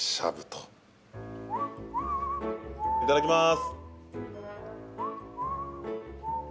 いただきます。